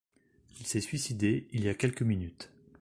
Il s’est suicidé, il y a quelques minutes.